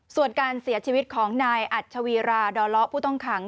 ส่วนการเสียชีวิตของนายอัชวีราดอเลาะผู้ต้องขัง